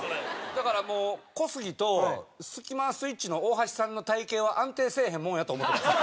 だから小杉とスキマスイッチの大橋さんの体形は安定せえへんもんやと思ってます。